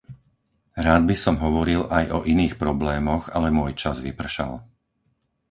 Rád by som hovoril aj o iných problémoch, ale môj čas vypršal.